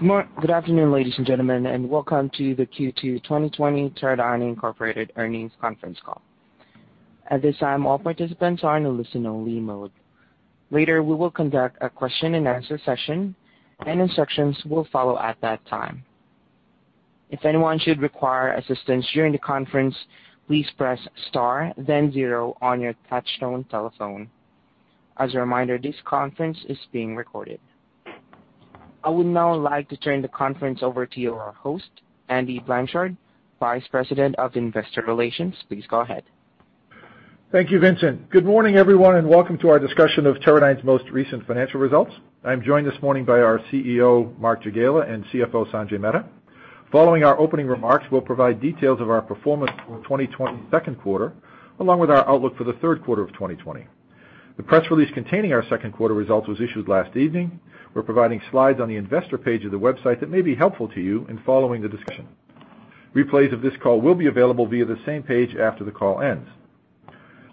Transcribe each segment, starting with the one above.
Good afternoon, ladies and gentlemen, and welcome to the Q2 2020 Teradyne Incorporated earnings conference call. At this time, all participants are in listen only mode. Later, we will conduct a question and answer session, and instructions will follow at that time. If anyone should require assistance during the conference, please press star then zero on your touch tone telephone. As a reminder, this conference is being recorded. I would now like to turn the conference over to our host, Andy Blanchard, Vice President of Investor Relations. Please go ahead. Thank you, Vincent. Good morning, everyone, welcome to our discussion of Teradyne's most recent financial results. I'm joined this morning by our CEO, Mark Jagiela, and CFO, Sanjay Mehta. Following our opening remarks, we'll provide details of our performance for 2020 second quarter, along with our outlook for the third quarter of 2020. The press release containing our second quarter results was issued last evening. We're providing slides on the investor page of the website that may be helpful to you in following the discussion. Replays of this call will be available via the same page after the call ends.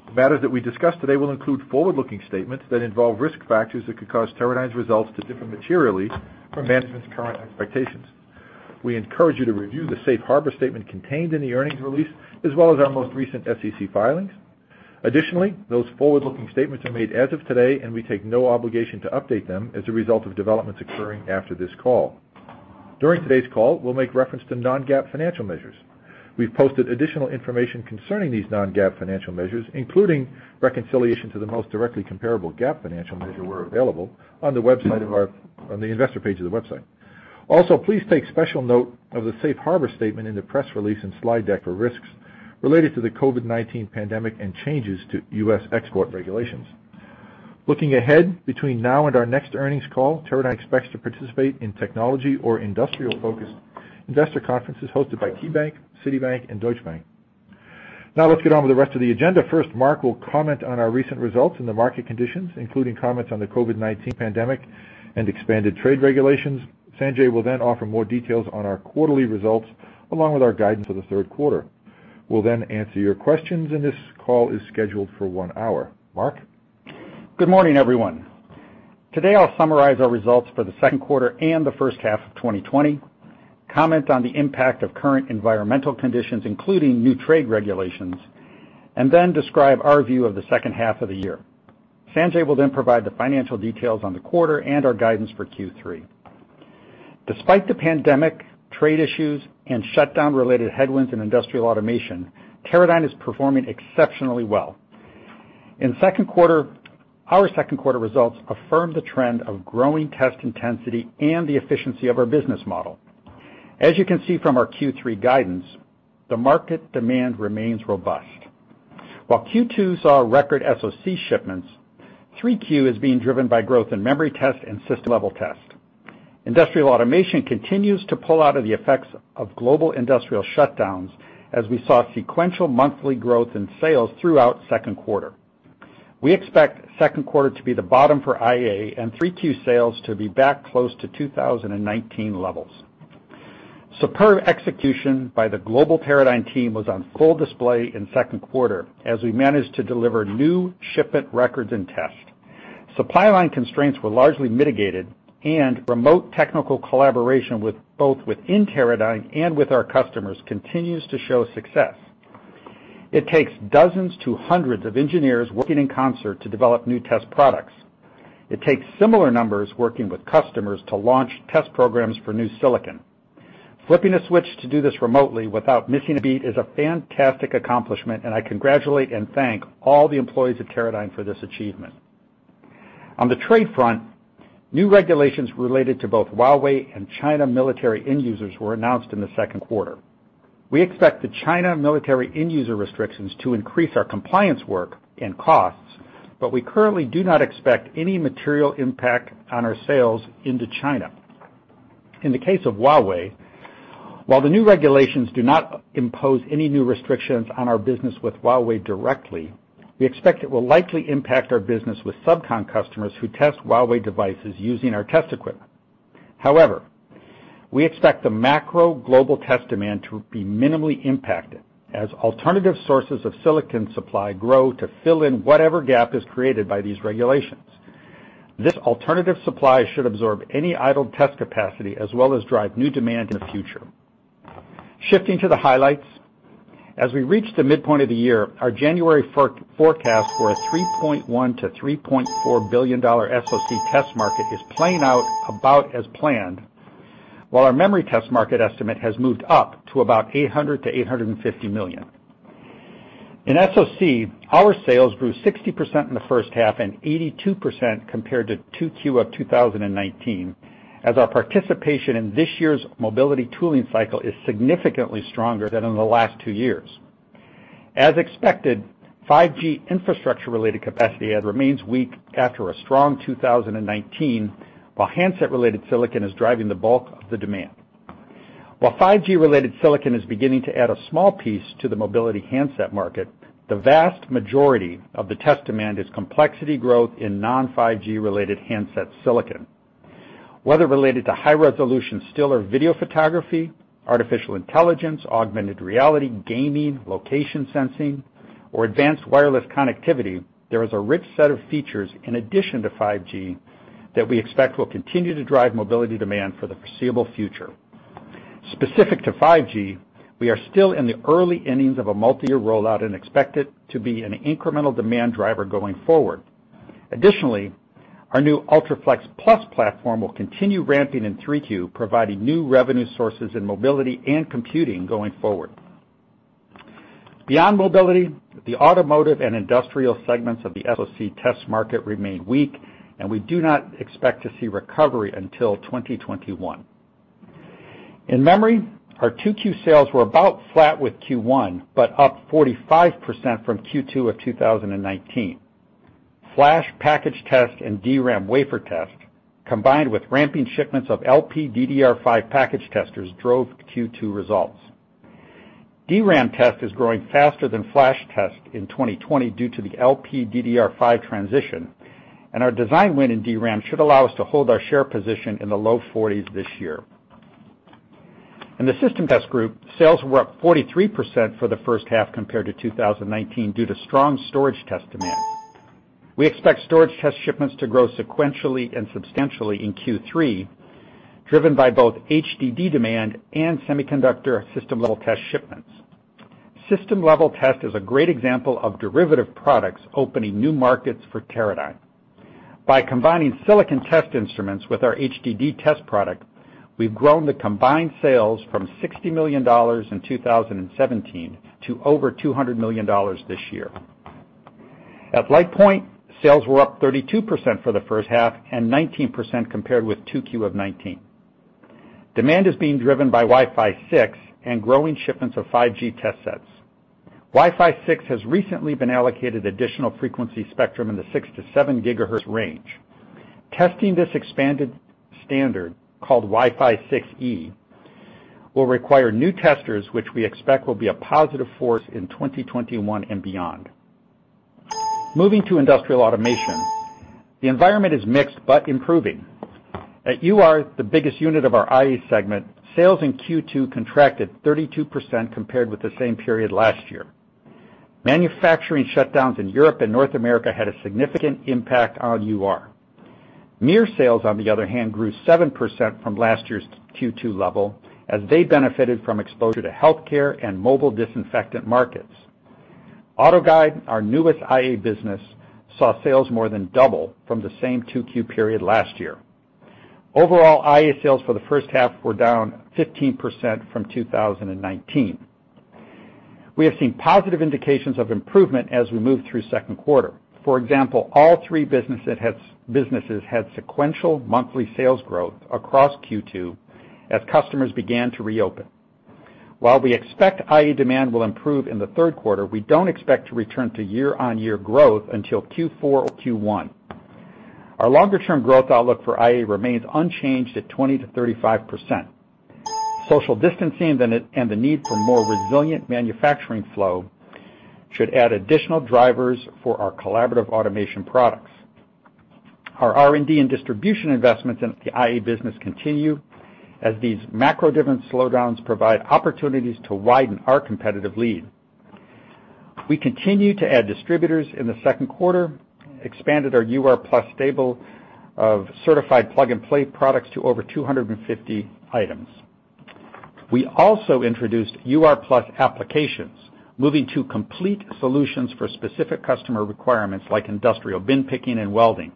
The matters that we discuss today will include forward-looking statements that involve risk factors that could cause Teradyne's results to differ materially from management's current expectations. We encourage you to review the safe harbor statement contained in the earnings release, as well as our most recent SEC filings. Those forward-looking statements are made as of today, and we take no obligation to update them as a result of developments occurring after this call. During today's call, we'll make reference to non-GAAP financial measures. We've posted additional information concerning these non-GAAP financial measures, including reconciliation to the most directly comparable GAAP financial measure where available on the investor page of the website. Please take special note of the safe harbor statement in the press release and slide deck for risks related to the COVID-19 pandemic and changes to U.S. export regulations. Looking ahead, between now and our next earnings call, Teradyne expects to participate in technology or industrial-focused investor conferences hosted by KeyBank, Citibank, and Deutsche Bank. Let's get on with the rest of the agenda. First, Mark will comment on our recent results and the market conditions, including comments on the COVID-19 pandemic and expanded trade regulations. Sanjay will then offer more details on our quarterly results, along with our guidance for the third quarter. We'll then answer your questions, and this call is scheduled for one hour. Mark? Good morning, everyone. Today, I'll summarize our results for the second quarter and the first half of 2020, comment on the impact of current environmental conditions, including new trade regulations, and then describe our view of the second half of the year. Sanjay will provide the financial details on the quarter and our guidance for Q3. Despite the pandemic, trade issues, and shutdown-related headwinds in industrial automation, Teradyne is performing exceptionally well. Our second quarter results affirm the trend of growing test intensity and the efficiency of our business model. As you can see from our Q3 guidance, the market demand remains robust. While Q2 saw record SOC shipments, 3Q is being driven by growth in memory test and system-level test. Industrial automation continues to pull out of the effects of global industrial shutdowns, as we saw sequential monthly growth in sales throughout second quarter. We expect second quarter to be the bottom for IA and 3Q sales to be back close to 2019 levels. Superb execution by the global Teradyne team was on full display in second quarter as we managed to deliver new shipment records and tests. Supply line constraints were largely mitigated and remote technical collaboration both within Teradyne and with our customers continues to show success. It takes dozens to hundreds of engineers working in concert to develop new test products. It takes similar numbers working with customers to launch test programs for new silicon. Flipping a switch to do this remotely without missing a beat is a fantastic accomplishment, and I congratulate and thank all the employees at Teradyne for this achievement. On the trade front, new regulations related to both Huawei and China military end users were announced in the second quarter. We expect the China military end user restrictions to increase our compliance work and costs, but we currently do not expect any material impact on our sales into China. In the case of Huawei, while the new regulations do not impose any new restrictions on our business with Huawei directly, we expect it will likely impact our business with subcon customers who test Huawei devices using our test equipment. We expect the macro global test demand to be minimally impacted as alternative sources of silicon supply grow to fill in whatever gap is created by these regulations. This alternative supply should absorb any idled test capacity as well as drive new demand in the future. Shifting to the highlights, as we reach the midpoint of the year, our January forecast for a $3.1 billion-$3.4 billion SOC test market is playing out about as planned, while our memory test market estimate has moved up to about $800 million-$850 million. In SOC, our sales grew 60% in the first half and 82% compared to 2Q of 2019, as our participation in this year's mobility tooling cycle is significantly stronger than in the last two years. As expected, 5G infrastructure-related capacity add remains weak after a strong 2019, while handset-related silicon is driving the bulk of the demand. While 5G-related silicon is beginning to add a small piece to the mobility handset market, the vast majority of the test demand is complexity growth in non-5G related handset silicon. Whether related to high-resolution still or video photography, artificial intelligence, augmented reality, gaming, location sensing, or advanced wireless connectivity, there is a rich set of features in addition to 5G that we expect will continue to drive mobility demand for the foreseeable future. Specific to 5G, we are still in the early innings of a multi-year rollout and expect it to be an incremental demand driver going forward. Additionally, our new UltraFLEXplus platform will continue ramping in 3Q, providing new revenue sources in mobility and computing going forward. Beyond mobility, the automotive and industrial segments of the SoC test market remain weak, and we do not expect to see recovery until 2021. In memory, our 2Q sales were about flat with Q1, but up 45% from Q2 of 2019. Flash package test and DRAM wafer test, combined with ramping shipments of LPDDR5 package testers, drove Q2 results. DRAM test is growing faster than flash test in 2020 due to the LPDDR5 transition, and our design win in DRAM should allow us to hold our share position in the low 40s this year. In the system test group, sales were up 43% for the first half compared to 2019 due to strong storage test demand. We expect storage test shipments to grow sequentially and substantially in Q3, driven by both HDD demand and semiconductor system-level test shipments. System-level test is a great example of derivative products opening new markets for Teradyne. By combining silicon test instruments with our HDD test product, we've grown the combined sales from $60 million in 2017 to over $200 million this year. At LitePoint, sales were up 32% for the first half and 19% compared with 2Q of 2019. Demand is being driven by Wi-Fi 6 and growing shipments of 5G test sets. Wi-Fi 6 has recently been allocated additional frequency spectrum in the 6 to 7 gigahertz range. Testing this expanded standard, called Wi-Fi 6E, will require new testers, which we expect will be a positive force in 2021 and beyond. Moving to industrial automation, the environment is mixed, improving. At UR, the biggest unit of our IA segment, sales in Q2 contracted 32% compared with the same period last year. Manufacturing shutdowns in Europe and North America had a significant impact on UR. MiR sales, on the other hand, grew 7% from last year's Q2 level as they benefited from exposure to healthcare and mobile disinfectant markets. AutoGuide, our newest IA business, saw sales more than double from the same 2Q period last year. Overall, IA sales for the first half were down 15% from 2019. We have seen positive indications of improvement as we move through second quarter. For example, all three businesses had sequential monthly sales growth across Q2 as customers began to reopen. While we expect IA demand will improve in the third quarter, we don't expect to return to year-on-year growth until Q4 or Q1. Our longer-term growth outlook for IA remains unchanged at 20%-35%. Social distancing and the need for more resilient manufacturing flow should add additional drivers for our collaborative automation products. Our R&D and distribution investments in the IA business continue as these macro-driven slowdowns provide opportunities to widen our competitive lead. We continued to add distributors in the second quarter, expanded our UR+ stable of certified plug-and-play products to over 250 items. We also introduced UR+ applications, moving to complete solutions for specific customer requirements like industrial bin picking and welding.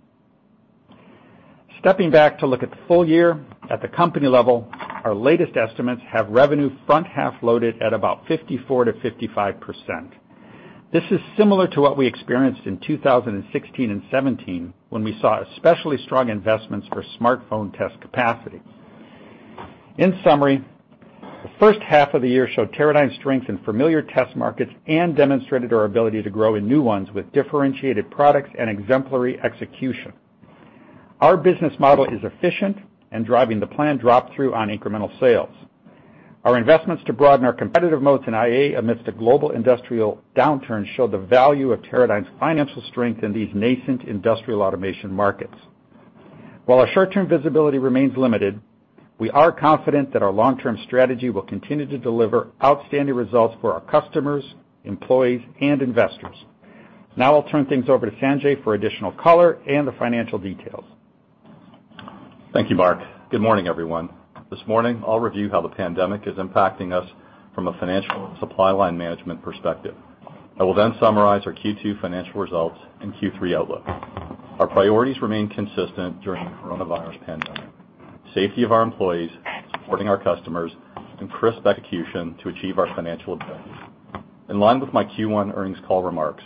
Stepping back to look at the full year at the company level, our latest estimates have revenue front half loaded at about 54%-55%. This is similar to what we experienced in 2016 and 2017 when we saw especially strong investments for smartphone test capacity. In summary, the first half of the year showed Teradyne strength in familiar test markets and demonstrated our ability to grow in new ones with differentiated products and exemplary execution. Our business model is efficient and driving the planned drop through on incremental sales. Our investments to broaden our competitive moats in IA amidst a global industrial downturn show the value of Teradyne's financial strength in these nascent industrial automation markets. While our short-term visibility remains limited, we are confident that our long-term strategy will continue to deliver outstanding results for our customers, employees, and investors. I'll turn things over to Sanjay for additional color and the financial details. Thank you, Mark. Good morning, everyone. This morning, I'll review how the pandemic is impacting us from a financial and supply line management perspective. I will then summarize our Q2 financial results and Q3 outlook. Our priorities remain consistent during the coronavirus pandemic: safety of our employees, supporting our customers, and crisp execution to achieve our financial objectives. In line with my Q1 earnings call remarks,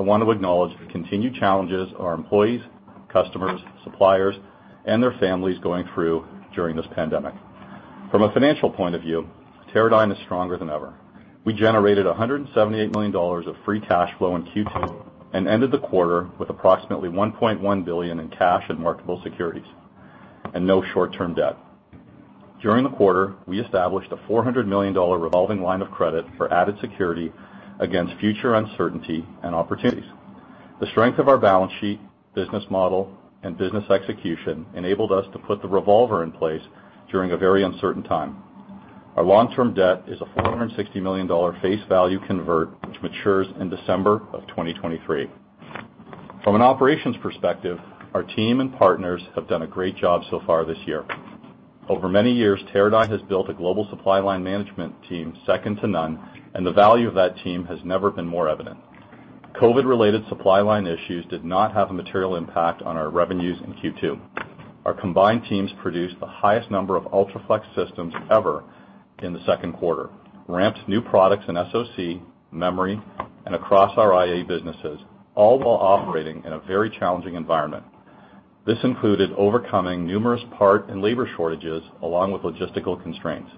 I want to acknowledge the continued challenges our employees, customers, suppliers, and their families going through during this pandemic. From a financial point of view, Teradyne is stronger than ever. We generated $178 million of free cash flow in Q2 and ended the quarter with approximately $1.1 billion in cash and marketable securities, and no short-term debt. During the quarter, we established a $400 million revolving line of credit for added security against future uncertainty and opportunities. The strength of our balance sheet, business model, and business execution enabled us to put the revolver in place during a very uncertain time. Our long-term debt is a $460 million face value convert, which matures in December of 2023. From an operations perspective, our team and partners have done a great job so far this year. Over many years, Teradyne has built a global supply line management team second to none, and the value of that team has never been more evident. COVID-related supply line issues did not have a material impact on our revenues in Q2. Our combined teams produced the highest number of UltraFLEX systems ever in the second quarter, ramped new products in SOC, memory, and across our IA businesses, all while operating in a very challenging environment. This included overcoming numerous part and labor shortages along with logistical constraints.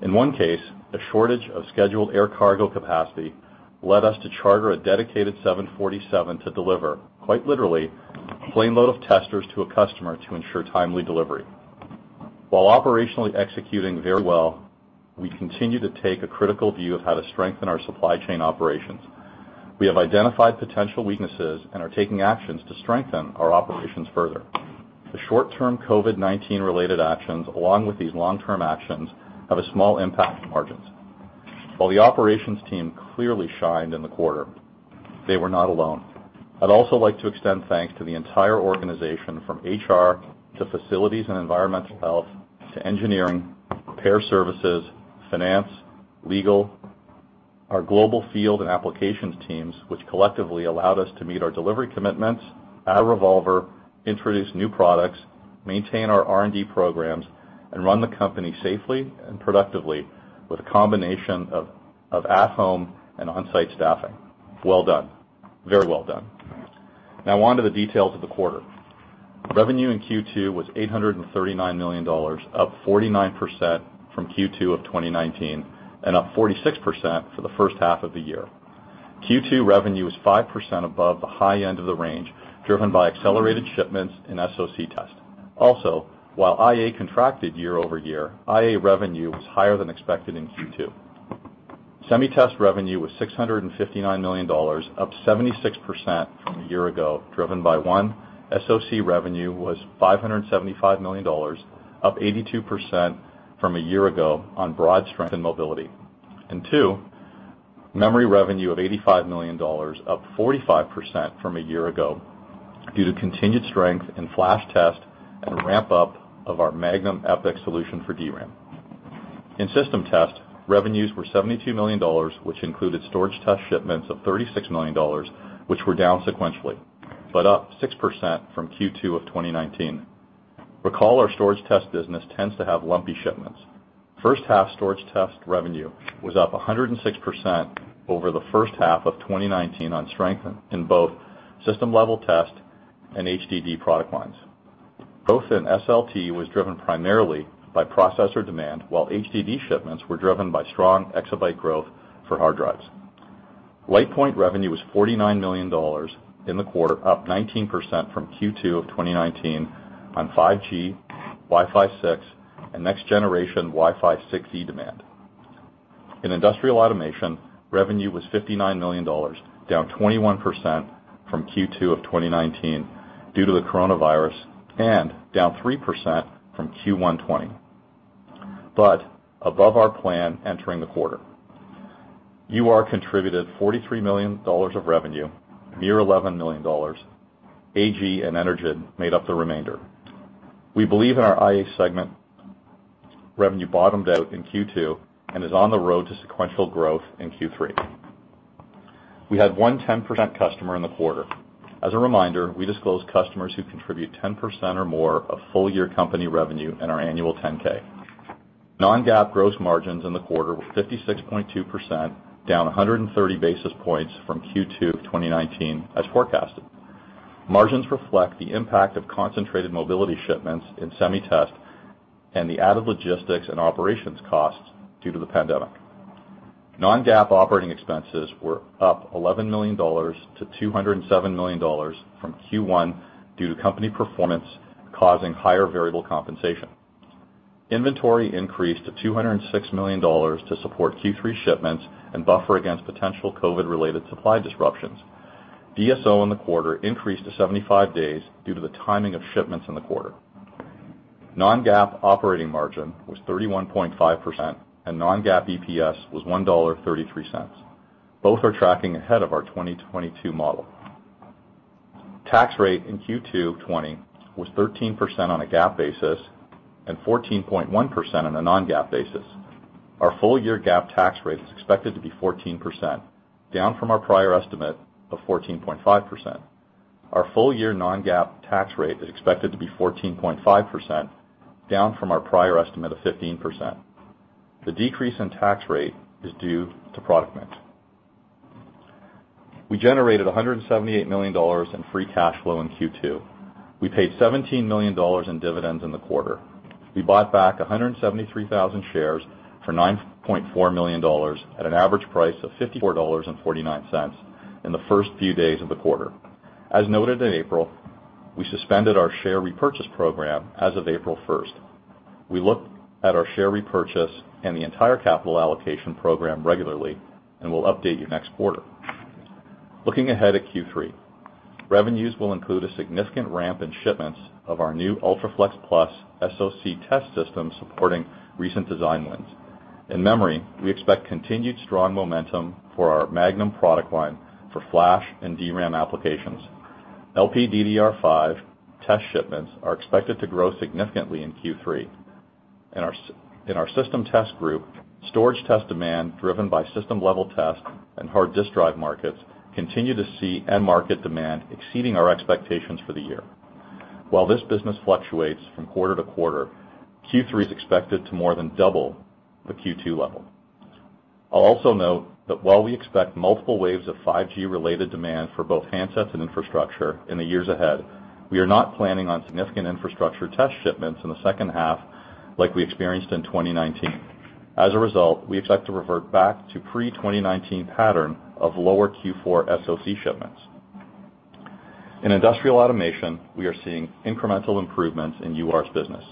In one case, a shortage of scheduled air cargo capacity led us to charter a dedicated 747 to deliver, quite literally, a planeload of testers to a customer to ensure timely delivery. While operationally executing very well, we continue to take a critical view of how to strengthen our supply chain operations. We have identified potential weaknesses and are taking actions to strengthen our operations further. The short-term COVID-19 related actions, along with these long-term actions, have a small impact on margins. While the operations team clearly shined in the quarter, they were not alone. I'd also like to extend thanks to the entire organization, from HR to facilities and environmental health, to engineering, repair services, finance, legal. Our global field and applications teams, which collectively allowed us to meet our delivery commitments, add a revolver, introduce new products, maintain our R&D programs, and run the company safely and productively with a combination of at-home and on-site staffing. Well done. Very well done. On to the details of the quarter. Revenue in Q2 was $839 million, up 49% from Q2 of 2019 and up 46% for the first half of the year. Q2 revenue was 5% above the high end of the range, driven by accelerated shipments and SOC test. While IA contracted year-over-year, IA revenue was higher than expected in Q2. Semi test revenue was $659 million, up 76% from a year ago, driven by, one, SOC revenue was $575 million, up 82% from a year ago on broad strength and mobility. Two, memory revenue of $85 million, up 45% from a year ago due to continued strength in flash test and ramp-up of our Magnum FX solution for DRAM. In system test, revenues were $72 million, which included storage test shipments of $36 million, which were down sequentially, but up 6% from Q2 of 2019. Recall our storage test business tends to have lumpy shipments. First half storage test revenue was up 106% over the first half of 2019 on strength in both system-level test and HDD product lines. Growth in SLT was driven primarily by processor demand, while HDD shipments were driven by strong exabyte growth for hard drives. LitePoint revenue was $49 million in the quarter, up 19% from Q2 of 2019 on 5G, Wi-Fi 6, and next-generation Wi-Fi 6E demand. In Industrial Automation, revenue was $59 million, down 21% from Q2 of 2019 due to the coronavirus and down 3% from Q1 2020, but above our plan entering the quarter. UR contributed $43 million of revenue, MiR $11 million. AG and Energid made up the remainder. We believe in our IA segment, revenue bottomed out in Q2 and is on the road to sequential growth in Q3. We had one 10% customer in the quarter. As a reminder, we disclose customers who contribute 10% or more of full-year company revenue in our annual 10-K. Non-GAAP gross margins in the quarter were 56.2%, down 130 basis points from Q2 of 2019 as forecasted. Margins reflect the impact of concentrated mobility shipments in Semi Test and the added logistics and operations costs due to the pandemic. Non-GAAP operating expenses were up $11 million to $207 million from Q1 due to company performance causing higher variable compensation. Inventory increased to $206 million to support Q3 shipments and buffer against potential COVID-19-related supply disruptions. DSO in the quarter increased to 75 days due to the timing of shipments in the quarter. Non-GAAP operating margin was 31.5%, and non-GAAP EPS was $1.33. Both are tracking ahead of our 2022 model. Tax rate in Q2 of 2020 was 13% on a GAAP basis and 14.1% on a non-GAAP basis. Our full-year GAAP tax rate is expected to be 14%, down from our prior estimate of 14.5%. Our full-year non-GAAP tax rate is expected to be 14.5%, down from our prior estimate of 15%. The decrease in tax rate is due to product mix. We generated $178 million in free cash flow in Q2. We paid $17 million in dividends in the quarter. We bought back 173,000 shares for $9.4 million at an average price of $54.49 in the first few days of the quarter. As noted in April, we suspended our share repurchase program as of April 1st. We look at our share repurchase and the entire capital allocation program regularly, and we'll update you next quarter. Looking ahead at Q3, revenues will include a significant ramp in shipments of our new UltraFLEXplus SOC test system supporting recent design wins. In memory, we expect continued strong momentum for our Magnum product line for flash and DRAM applications. LPDDR5 test shipments are expected to grow significantly in Q3. In our system test group, storage test demand driven by system-level test and hard disk drive markets continue to see end market demand exceeding our expectations for the year. While this business fluctuates from quarter-to-quarter, Q3 is expected to more than double the Q2 level. I'll also note that while we expect multiple waves of 5G-related demand for both handsets and infrastructure in the years ahead, we are not planning on significant infrastructure test shipments in the second half like we experienced in 2019. As a result, we expect to revert back to pre-2019 pattern of lower Q4 SOC shipments. In industrial automation, we are seeing incremental improvements in UR's business.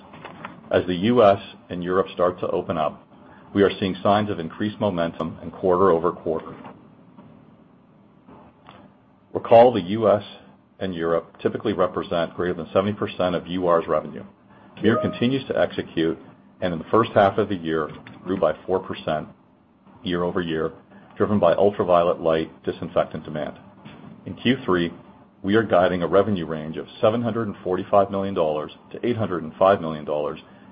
As the U.S. and Europe start to open up, we are seeing signs of increased momentum in quarter-over-quarter. Recall the U.S. and Europe typically represent greater than 70% of UR's revenue. UR continues to execute, and in the first half of the year grew by 4% year-over-year, driven by ultraviolet light disinfectant demand. In Q3, we are guiding a revenue range of $745 million-$805 million,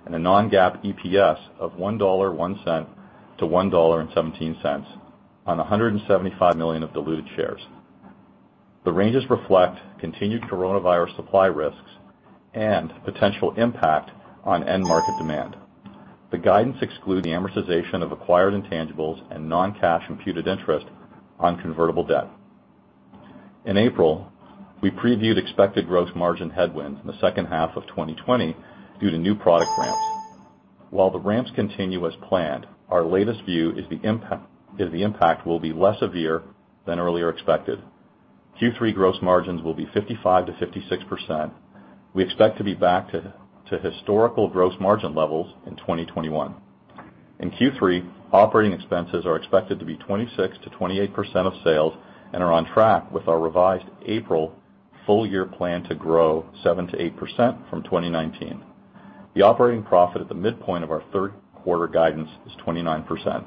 and a non-GAAP EPS of $1.01-$1.17 on 175 million diluted shares. The ranges reflect continued COVID-19 supply risks and potential impact on end market demand. The guidance excludes the amortization of acquired intangibles and non-cash imputed interest on convertible debt. In April, we previewed expected gross margin headwinds in the second half of 2020 due to new product ramps. While the ramps continue as planned, our latest view is the impact will be less severe than earlier expected. Q3 gross margins will be 55%-56%. We expect to be back to historical gross margin levels in 2021. In Q3, operating expenses are expected to be 26%-28% of sales and are on track with our revised April full-year plan to grow 7%-8% from 2019. The operating profit at the midpoint of our third quarter guidance is 29%.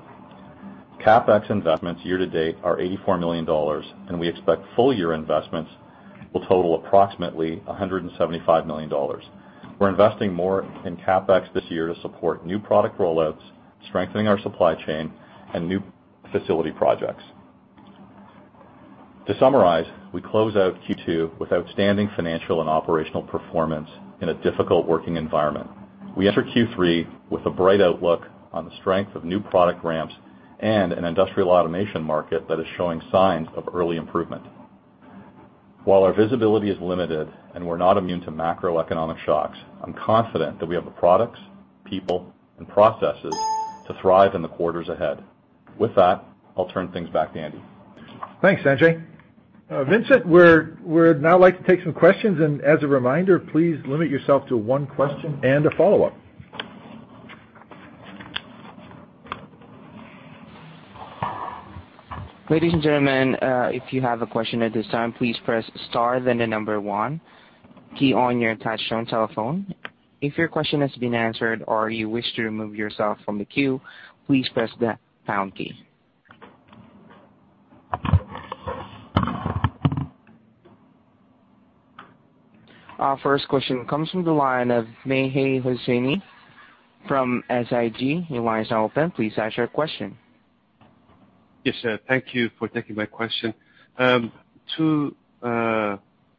CapEx investments year to date are $84 million, and we expect full year investments will total approximately $175 million. We're investing more in CapEx this year to support new product rollouts, strengthening our supply chain, and new facility projects. To summarize, we close out Q2 with outstanding financial and operational performance in a difficult working environment. We enter Q3 with a bright outlook on the strength of new product ramps and an industrial automation market that is showing signs of early improvement. While our visibility is limited and we're not immune to macroeconomic shocks, I'm confident that we have the products, people, and processes to thrive in the quarters ahead. With that, I'll turn things back to Andy. Thanks, Sanjay. Vincent, we'd now like to take some questions, and as a reminder, please limit yourself to one question and a follow-up. Ladies and gentlemen, if you have a question at this time, please press star, then the number 1 key on your touchtone telephone. If your question has been answered or you wish to remove yourself from the queue, please press the pound key. Our first question comes from the line of Mehdi Hosseini from Susquehanna. Your line is now open. Please ask your question. Yes. Thank you for taking my question. Two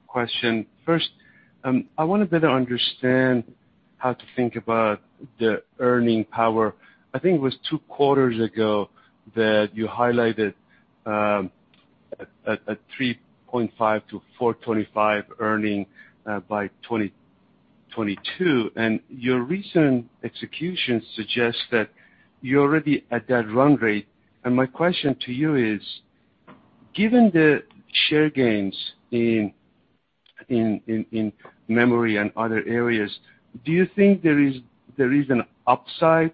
question. First, I want to better understand how to think about the earning power. I think it was two quarters ago that you highlighted a $3.5-$4.25 earning by 2022, and your recent execution suggests that you're already at that run rate. My question to you is, given the share gains in memory and other areas, do you think there is an upside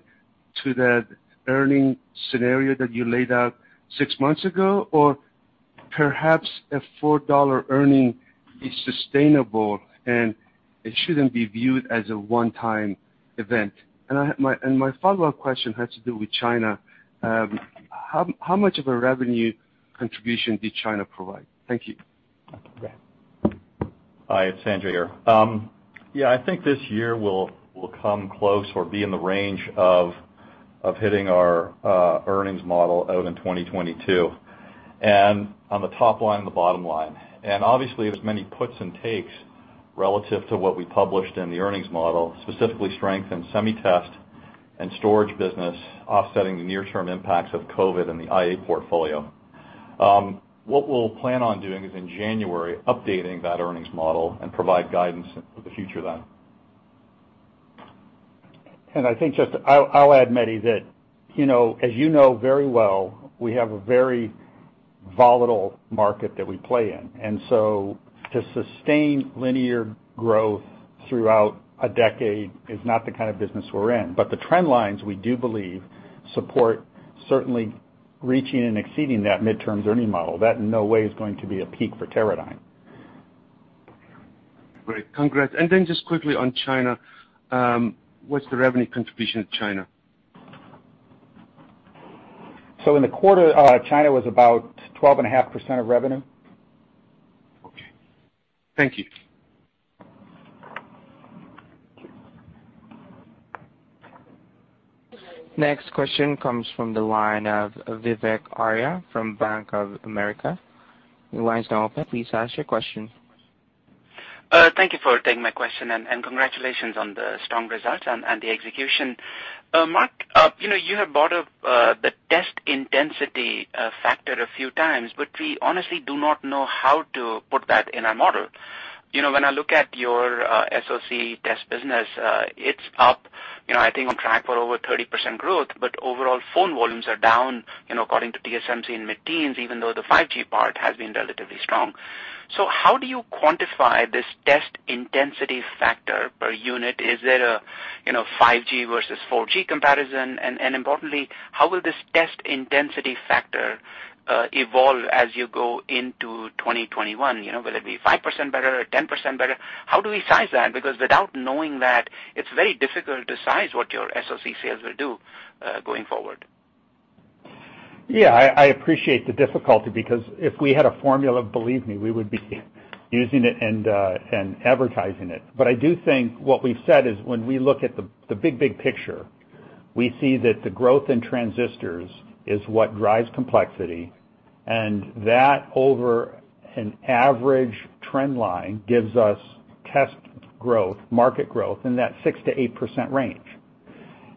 to the earning scenario that you laid out six months ago? Perhaps a $4 earning is sustainable, and it shouldn't be viewed as a one-time event? My follow-up question has to do with China. How much of a revenue contribution did China provide? Thank you. Hi, it's Sanjay here. I think this year we'll come close or be in the range of hitting our earnings model out in 2022, on the top line and the bottom line. Obviously, there's many puts and takes relative to what we published in the earnings model, specifically strength in semi test and storage business offsetting the near term impacts of COVID in the IA portfolio. What we'll plan on doing is in January, updating that earnings model and provide guidance for the future then. I think just I'll add, Mehdi, that as you know very well, we have a very volatile market that we play in. To sustain linear growth throughout a decade is not the kind of business we're in. The trend lines, we do believe, support certainly reaching and exceeding that midterm earnings model. That in no way is going to be a peak for Teradyne. Great. Congrats. Just quickly on China, what's the revenue contribution of China? In the quarter, China was about 12 and a half% of revenue. Okay. Thank you. Next question comes from the line of Vivek Arya from Bank of America. Your line is now open. Please ask your question. Thank you for taking my question, congratulations on the strong results and the execution. Mark, you have brought up the test intensity factor a few times, we honestly do not know how to put that in our model. When I look at your SoC test business, it's up, I think on track for over 30% growth, overall phone volumes are down according to TSMC in mid-teens, even though the 5G part has been relatively strong. How do you quantify this test intensity factor per unit? Is there a 5G versus 4G comparison? Importantly, how will this test intensity factor evolve as you go into 2021? Will it be 5% better or 10% better? How do we size that? Without knowing that, it's very difficult to size what your SoC sales will do going forward. Yeah, I appreciate the difficulty because if we had a formula, believe me, we would be using it and advertising it. I do think what we've said is when we look at the big picture, we see that the growth in transistors is what drives complexity, and that over an average trend line gives us test growth, market growth in that 6%-8% range.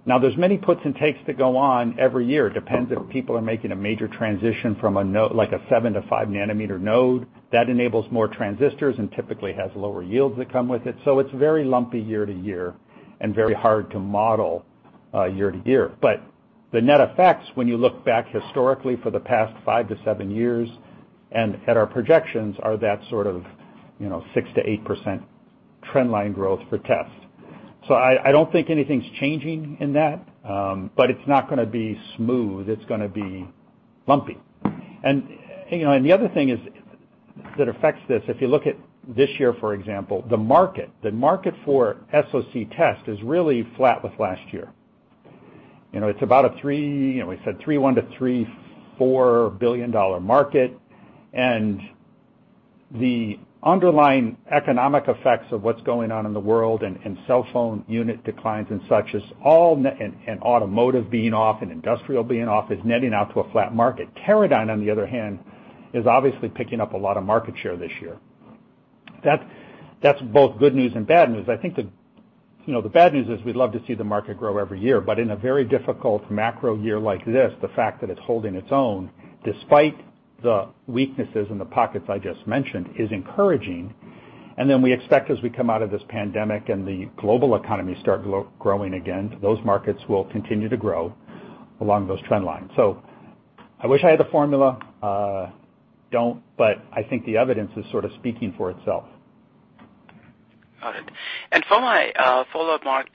There's many puts and takes that go on every year. Depends if people are making a major transition from a node, like a seven to five nanometer node, that enables more transistors and typically has lower yields that come with it. It's very lumpy year to year and very hard to model year to year. The net effects, when you look back historically for the past 5-7 years and at our projections, are that sort of 6%-8% trend line growth for test. I don't think anything's changing in that, but it's not going to be smooth. It's going to be lumpy. The other thing that affects this, if you look at this year, for example, the market for SOC test is really flat with last year. It's about a $3.1 billion-$3.4 billion market, and the underlying economic effects of what's going on in the world and cell phone unit declines and such as, and automotive being off and industrial being off, is netting out to a flat market. Teradyne, on the other hand, is obviously picking up a lot of market share this year. That's both good news and bad news. I think the bad news is we'd love to see the market grow every year, but in a very difficult macro year like this, the fact that it's holding its own despite the weaknesses in the pockets I just mentioned, is encouraging. We expect as we come out of this pandemic and the global economy start growing again, those markets will continue to grow along those trend lines. I wish I had the formula, don't, but I think the evidence is sort of speaking for itself. Got it. For my follow-up, Mark,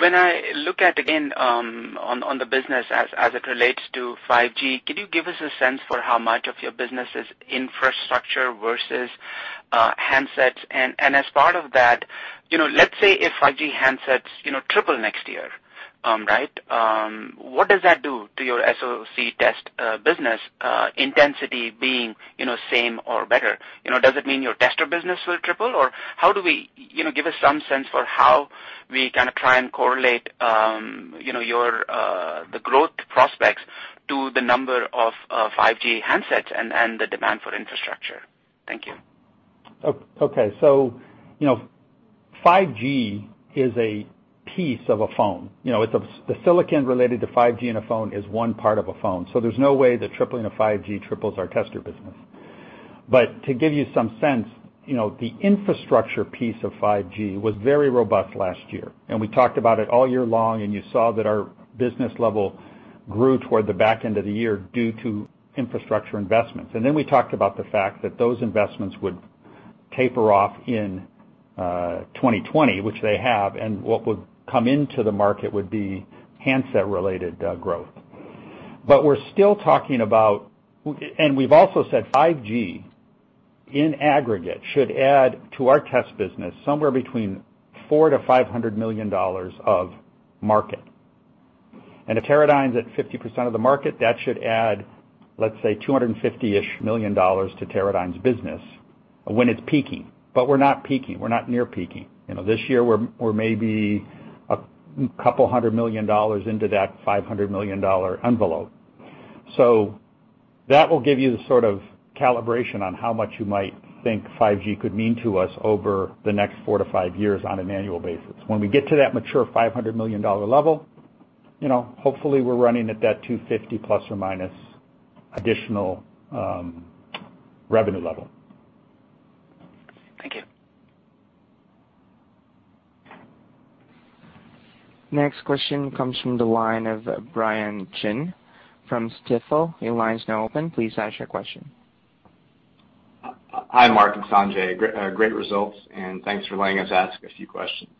when I look at again, on the business as it relates to 5G, can you give us a sense for how much of your business is infrastructure versus handsets? As part of that, let's say if 5G handsets 3x next year, what does that do to your SOC test business intensity being same or better? Does it mean your tester business will 3x, or give us some sense for how we kind of try and correlate the growth prospects to the number of 5G handsets and the demand for infrastructure. Thank you. 5G is a piece of a phone. The silicon related to 5G in a phone is one part of a phone, so there's no way that tripling a 5G triples our tester business. To give you some sense, the infrastructure piece of 5G was very robust last year, and we talked about it all year long, and you saw that our business level grew toward the back end of the year due to infrastructure investments. Then we talked about the fact that those investments would taper off in 2020, which they have, and what would come into the market would be handset-related growth. We're still talking about, and we've also said 5G in aggregate should add to our test business somewhere between $400 million-$500 million of market. If Teradyne's at 50% of the market, that should add, let's say, $250 million to Teradyne's business when it's peaking. We're not peaking. We're not near peaking. This year, we're maybe $200 million into that $500 million envelope. That will give you the sort of calibration on how much you might think 5G could mean to us over the next 4-5 years on an annual basis. When we get to that mature $500 million level, hopefully we're running at that 250 ± additional revenue level. Thank you. Next question comes from the line of Brian Chin from Stifel. Your line is now open. Please ask your question. Hi, Mark and Sanjay. Great results, thanks for letting us ask a few questions.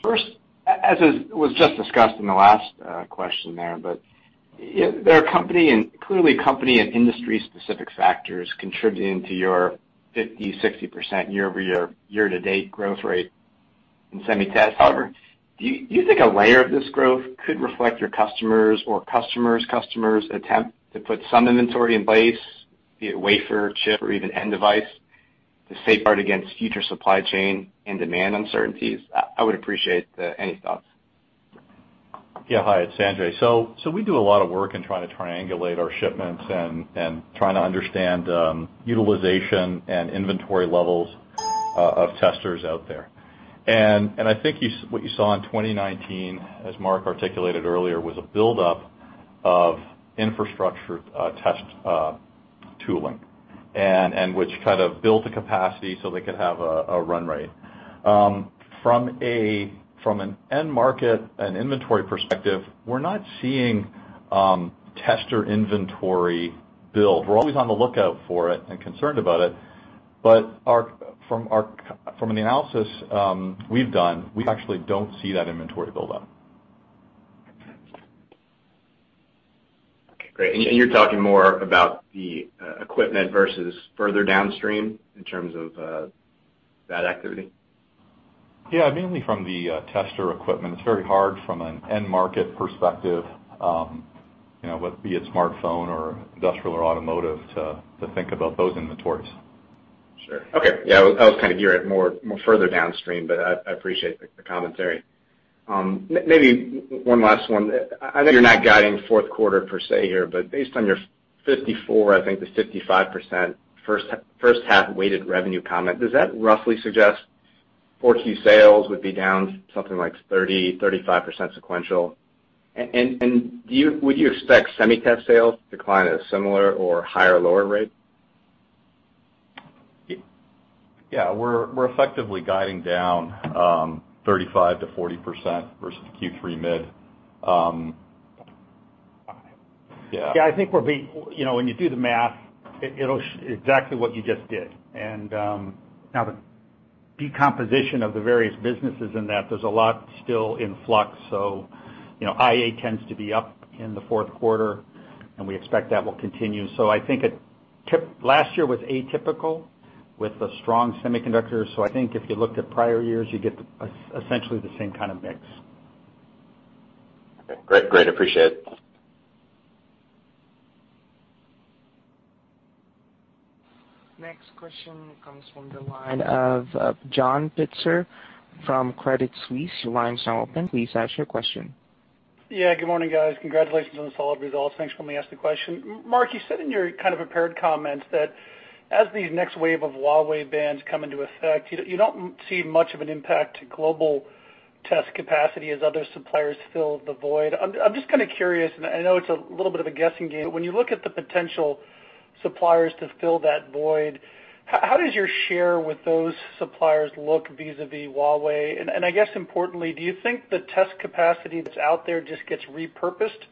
First, as was just discussed in the last question there are clearly company and industry-specific factors contributing to your 50%-60% year-over-year, year-to-date growth rate in semi test. Do you think a layer of this growth could reflect your customers or customers' customers attempt to put some inventory in place, be it wafer, chip, or even end device, to safeguard against future supply chain and demand uncertainties? I would appreciate any thoughts. Yeah. Hi, it's Sanjay. We do a lot of work in trying to triangulate our shipments and trying to understand utilization and inventory levels of testers out there. I think what you saw in 2019, as Mark articulated earlier, was a buildup of infrastructure test tooling, and which kind of built a capacity so they could have a run rate. From an end market and inventory perspective, we're not seeing tester inventory build. We're always on the lookout for it and concerned about it. From the analysis we've done, we actually don't see that inventory buildup. Okay, great. You're talking more about the equipment versus further downstream in terms of that activity? Yeah, mainly from the tester equipment. It's very hard from an end market perspective, whether be it smartphone or industrial or automotive, to think about those inventories. Sure. Okay. I was kind of gearing it more further downstream, but I appreciate the commentary. Maybe one last one. I know you're not guiding fourth quarter per se here, but based on your 54%, I think the 55% first half weighted revenue comment, does that roughly suggest 4Q sales would be down something like 30%-35% sequential? Would you expect semi-test sales to decline at a similar or higher, lower rate? Yeah, we're effectively guiding down 35%-40% versus Q3 mid. Yeah. Yeah, I think when you do the math, exactly what you just did. Now the decomposition of the various businesses in that, there's a lot still in flux. IA tends to be up in the fourth quarter, and we expect that will continue. I think last year was atypical with the strong semiconductors, so I think if you looked at prior years, you'd get essentially the same kind of mix. Okay, great. Appreciate it. Next question comes from the line of John Pitzer from Credit Suisse. Your line is now open. Please ask your question. Yeah, good morning, guys. Congratulations on the solid results. Thanks for letting me ask the question. Mark, you said in your kind of prepared comments that as these next wave of Huawei bans come into effect, you don't see much of an impact to global test capacity as other suppliers fill the void. I'm just kind of curious, I know it's a little bit of a guessing game, but when you look at the potential suppliers to fill that void, how does your share with those suppliers look vis-à-vis Huawei? I guess importantly, do you think the test capacity that's out there just gets repurposed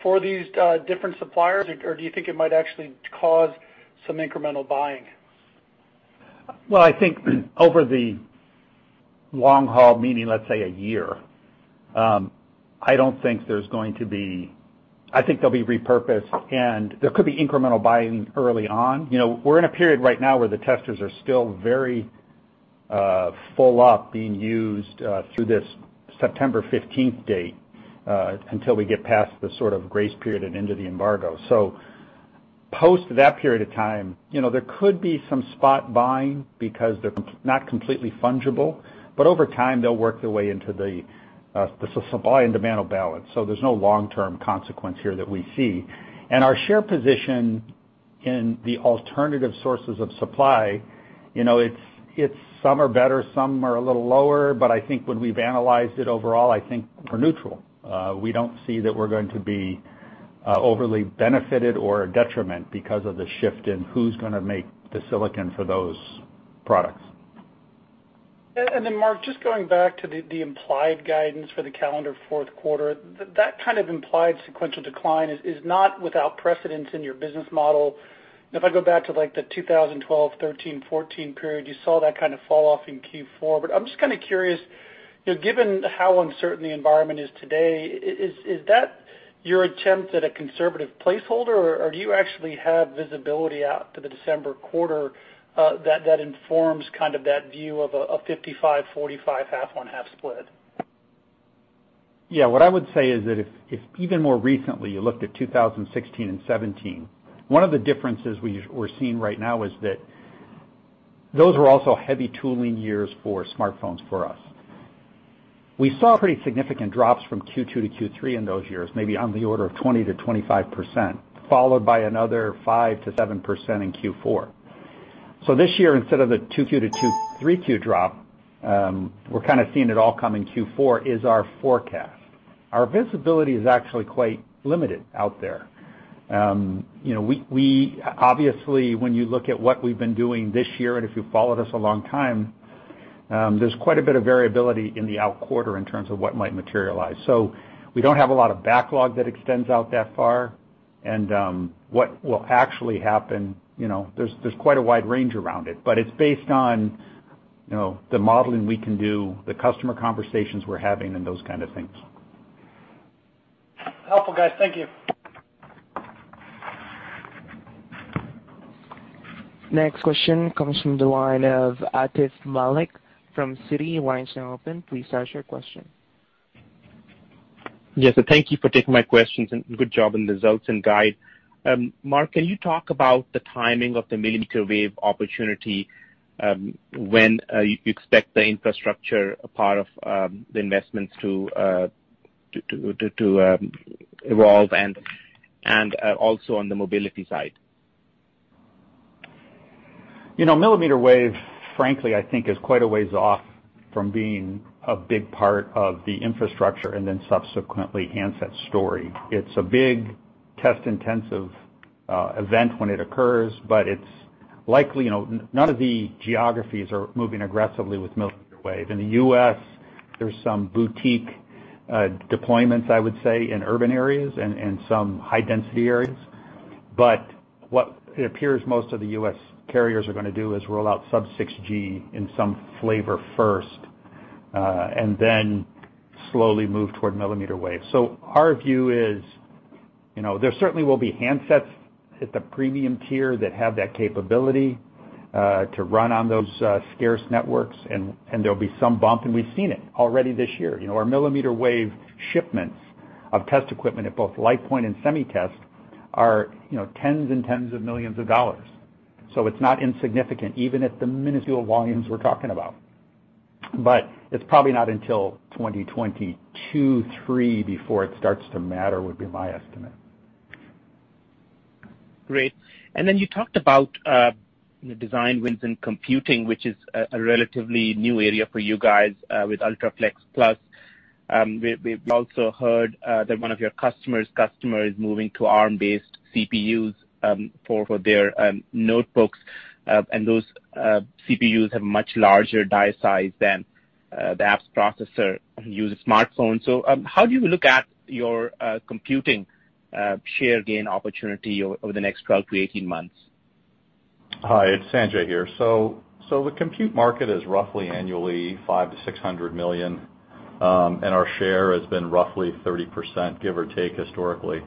for these different suppliers, or do you think it might actually cause some incremental buying? I think over the long haul, meaning let's say a year, I think they'll be repurposed, and there could be incremental buying early on. We're in a period right now where the testers are still very full up, being used through this September 15th date, until we get past the sort of grace period and into the embargo. Post that period of time, there could be some spot buying because they're not completely fungible, but over time, they'll work their way into the supply and demand balance. There's no long-term consequence here that we see. Our share position in the alternative sources of supply, some are better, some are a little lower. I think when we've analyzed it overall, I think we're neutral. We don't see that we're going to be overly benefited or a detriment because of the shift in who's going to make the silicon for those products. Mark, just going back to the implied guidance for the calendar fourth quarter, that kind of implied sequential decline is not without precedence in your business model. If I go back to like the 2012, 2013, 2014 period, you saw that kind of fall off in Q4. I'm just kind of curious, given how uncertain the environment is today, is that your attempt at a conservative placeholder, or do you actually have visibility out to the December quarter that informs kind of that view of a 55/45, half on half split? Yeah. What I would say is that if even more recently, you looked at 2016 and 2017, one of the differences we're seeing right now is that those were also heavy tooling years for smartphones for us. We saw pretty significant drops from Q2 to Q3 in those years, maybe on the order of 20%-25%, followed by another 5%-7% in Q4. This year, instead of the two Q to three Q drop, we're kind of seeing it all come in Q4 is our forecast. Our visibility is actually quite limited out there. Obviously, when you look at what we've been doing this year, and if you've followed us a long time, there's quite a bit of variability in the out quarter in terms of what might materialize. We don't have a lot of backlog that extends out that far and what will actually happen, there's quite a wide range around it. It's based on the modeling we can do, the customer conversations we're having, and those kind of things. Helpful, guys. Thank you. Next question comes from the line of Atif Malik from Citi. Line's now open. Please ask your question. Yes, so thank you for taking my questions, and good job on the results and guide. Mark, can you talk about the timing of the millimeter wave opportunity, when you expect the infrastructure part of the investments to evolve, and also on the mobility side? Millimeter wave, frankly, I think is quite a ways off from being a big part of the infrastructure and then subsequently handset story. None of the geographies are moving aggressively with millimeter wave. In the U.S., there's some boutique deployments, I would say, in urban areas and some high-density areas. What it appears most of the U.S. carriers are going to do is roll out sub-6 GHz in some flavor first, and then slowly move toward millimeter wave. Our view is, there certainly will be handsets at the premium tier that have that capability to run on those scarce networks, and there'll be some bump, and we've seen it already this year. Our millimeter wave shipments of test equipment at both LitePoint and SemiTest are tens and tens of millions of dollars. It's not insignificant, even at the minuscule volumes we're talking about. It's probably not until 2022, 2023, before it starts to matter, would be my estimate. Great. You talked about design wins in computing, which is a relatively new area for you guys with UltraFLEXplus. We've also heard that one of your customer's customer is moving to Arm-based CPUs for their notebooks, and those CPUs have much larger die size than the apps processor used in smartphones. How do you look at your computing share gain opportunity over the next 12 to 18 months? Hi, it's Sanjay here. The compute market is roughly annually $500 million-$600 million, and our share has been roughly 30%, give or take, historically.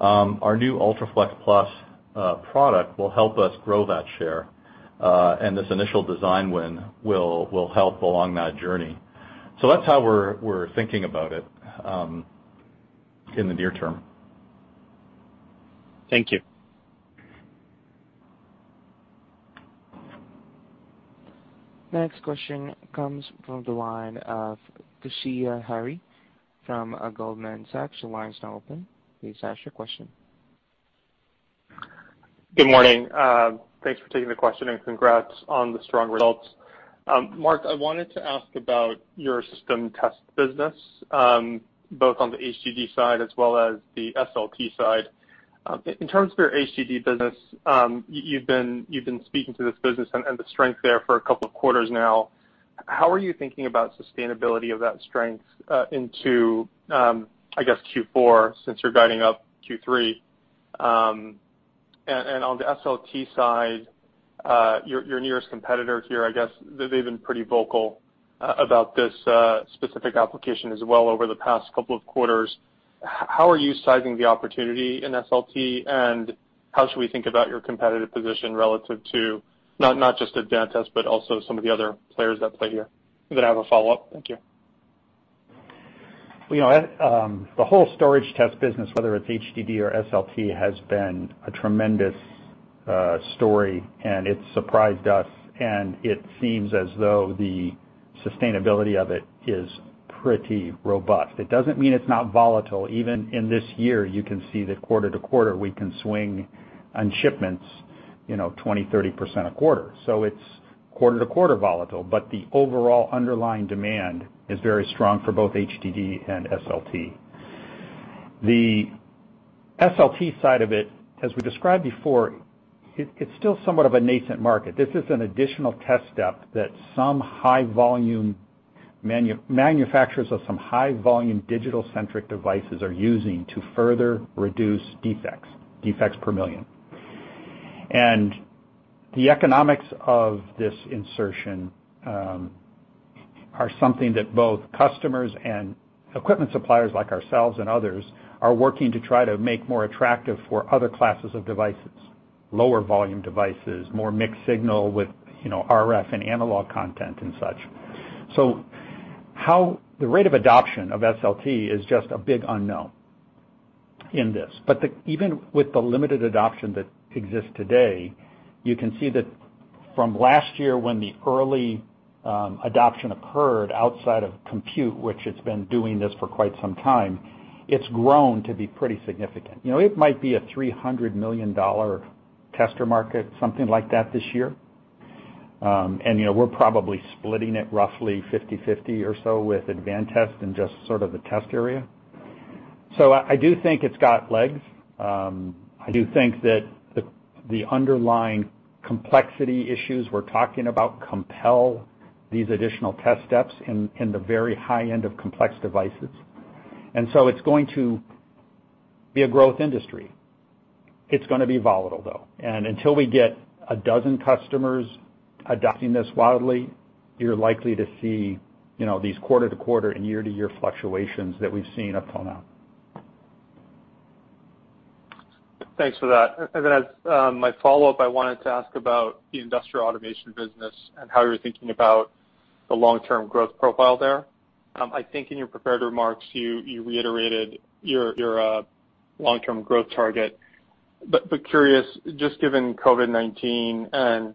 Our new UltraFLEXplus product will help us grow that share, and this initial design win will help along that journey. That's how we're thinking about it in the near term. Thank you. Next question comes from the line of Toshiya Hari from Goldman Sachs. Your line is now open. Please ask your question. Good morning. Thanks for taking the question and congrats on the strong results. Mark, I wanted to ask about your system test business, both on the HDD side as well as the SLT side. In terms of your HDD business, you've been speaking to this business and the strength there for a couple of quarters now. How are you thinking about sustainability of that strength into, I guess, Q4, since you're guiding up Q3? On the SLT side, your nearest competitor here, I guess, they've been pretty vocal about this specific application as well over the past couple of quarters. How are you sizing the opportunity in SLT, and how should we think about your competitive position relative to not just Advantest, but also some of the other players that play here? I have a follow-up. Thank you. The whole storage test business, whether it's HDD or SLT, has been a tremendous story, and it's surprised us, and it seems as though the sustainability of it is pretty robust. It doesn't mean it's not volatile. Even in this year, you can see that quarter to quarter we can swing on shipments 20, 30% a quarter. It's quarter-to-quarter volatile, but the overall underlying demand is very strong for both HDD and SLT. The SLT side of it, as we described before, it's still somewhat of a nascent market. This is an additional test step that manufacturers of some high-volume digital-centric devices are using to further reduce defects per million. The economics of this insertion are something that both customers and equipment suppliers like ourselves and others are working to try to make more attractive for other classes of devices, lower volume devices, more mixed signal with RF and analog content and such. The rate of adoption of SLT is just a big unknown in this. Even with the limited adoption that exists today, you can see that from last year when the early adoption occurred outside of compute, which it's been doing this for quite some time, it's grown to be pretty significant. It might be a $300 million tester market, something like that this year. We're probably splitting it roughly 50/50 or so with Advantest in just sort of the test area. I do think it's got legs. I do think that the underlying complexity issues we're talking about compel these additional test steps in the very high end of complex devices. It's going to be a growth industry. It's going to be volatile, though. Until we get a dozen customers adopting this widely, you're likely to see these quarter-to-quarter and year-to-year fluctuations that we've seen up till now. Thanks for that. As my follow-up, I wanted to ask about the industrial automation business and how you're thinking about the long-term growth profile there. I think in your prepared remarks, you reiterated your long-term growth target. Curious, just given COVID-19 and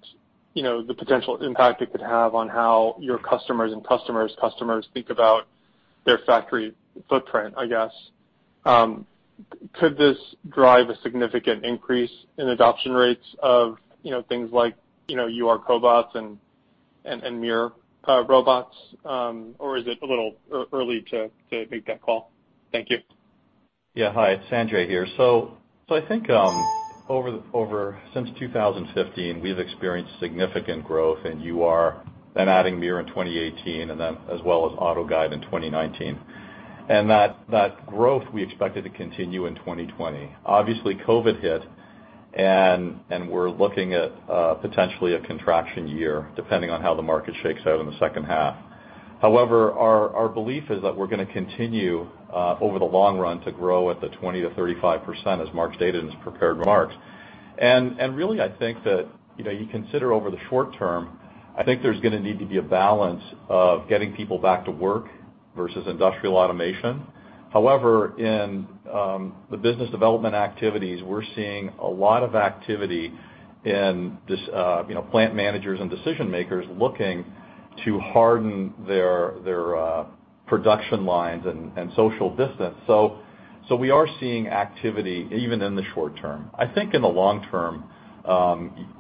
the potential impact it could have on how your customers and customers' customers think about their factory footprint, I guess. Could this drive a significant increase in adoption rates of things like UR cobots and MiR robots? Is it a little early to make that call? Thank you. Yeah. Hi, it's Sanjay here. I think since 2015, we've experienced significant growth in UR, then adding MiR in 2018, and then as well as AutoGuide in 2019. That growth we expected to continue in 2020. Obviously, COVID hit, and we're looking at potentially a contraction year, depending on how the market shakes out in the second half. However, our belief is that we're going to continue, over the long run, to grow at the 20%-35% as Mark stated in his prepared remarks. Really, I think that, you consider over the short term, I think there's going to need to be a balance of getting people back to work versus industrial automation. However, in the business development activities, we're seeing a lot of activity in plant managers and decision-makers looking to harden their production lines and social distance. We are seeing activity even in the short term. I think in the long term,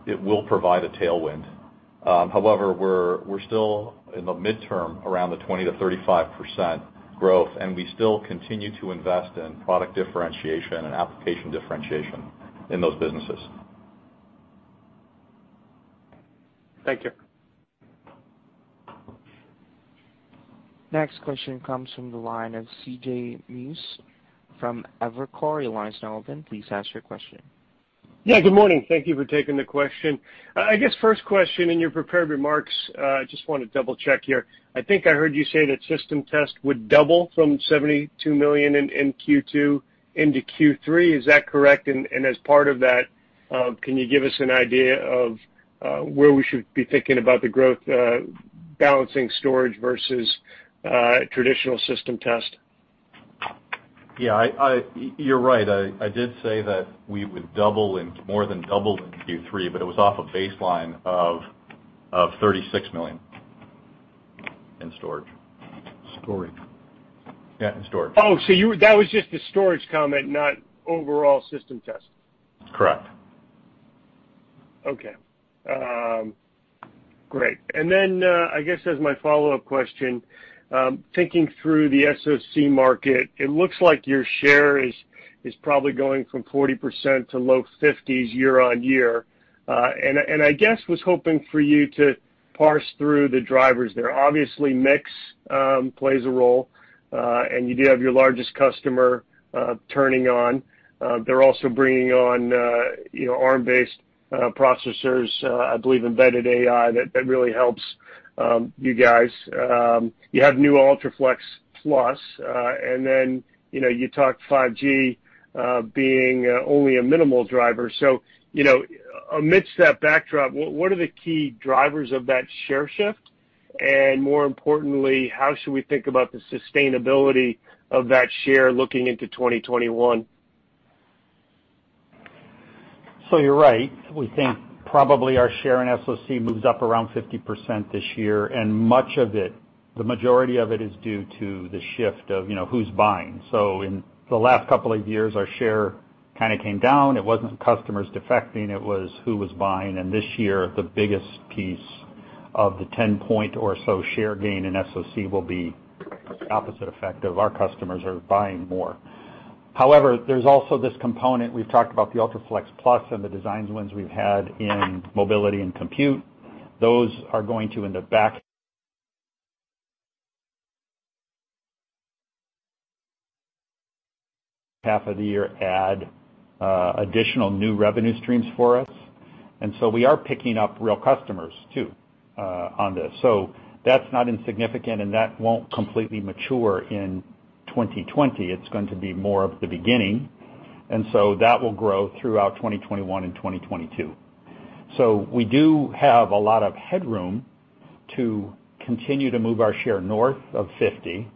it will provide a tailwind. However, we're still in the midterm around the 20%-35% growth, and we still continue to invest in product differentiation and application differentiation in those businesses. Thank you. Next question comes from the line of CJ Muse from Evercore. Your line's now open. Please ask your question. Yeah, good morning. Thank you for taking the question. I guess first question, in your prepared remarks, I just want to double-check here. I think I heard you say that system test would double from $72 million in Q2 into Q3. Is that correct? As part of that, can you give us an idea of where we should be thinking about the growth balancing storage versus traditional system test? Yeah. You're right. I did say that we would more than double in Q3, but it was off a baseline of $36 million in storage. Storage. Yeah, in storage. Oh, that was just the storage comment, not overall system test. Correct. Okay. Great. Then, I guess as my follow-up question, thinking through the SOC market, it looks like your share is probably going from 40% to low 50s year-over-year. I guess, was hoping for you to parse through the drivers there. Obviously, mix plays a role, and you do have your largest customer turning on. They're also bringing on Arm-based processors, I believe embedded AI that really helps you guys. You have new UltraFLEXplus, and then you talked 5G being only a minimal driver. Amidst that backdrop, what are the key drivers of that share shift? More importantly, how should we think about the sustainability of that share looking into 2021? You're right. We think probably our share in SoC moves up around 50% this year, and much of it, the majority of it, is due to the shift of who's buying. In the last couple of years, our share kind of came down. It wasn't customers defecting, it was who was buying. This year, the biggest piece of the 10-point or so share gain in SoC will be opposite effect of our customers are buying more. However, there's also this component. We've talked about the UltraFLEXplus and the design wins we've had in mobility and compute. Those are going to in the back half of the year add additional new revenue streams for us. We are picking up real customers, too, on this. That's not insignificant, and that won't completely mature in 2020. It's going to be more of the beginning. That will grow throughout 2021 and 2022. We do have a lot of headroom to continue to move our share north of 50,